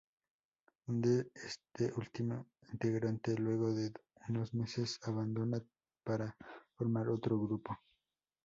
Donde este último integrante, luego de unos meses, abandona, para formar otro grupo.